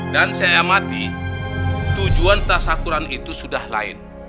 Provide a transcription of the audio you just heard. dan saya amati tujuan tas syakuran itu sudah lain